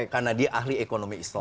karena dia ahli ekonomi islam